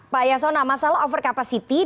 pak yasona masalah over capacity